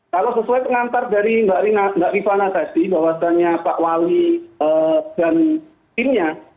kalau sesuai pengantar dari mbak rifana tadi bahwasannya pak wali dan timnya